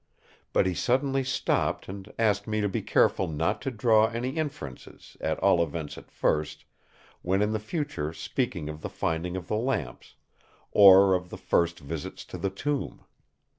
But he suddenly stopped, and asked me to be careful not to draw any inferences, at all events at first, when in the future speaking of the finding of the lamps, or of the first visits to the tomb.